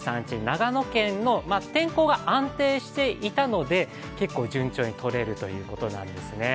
長野県の天候が安定していたので結構順調にとれるということなんですね。